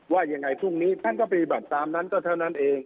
ว่าพรุ่งนี้ยังไงท่านก็เป็นศาลนั้นเท่านั้นเอง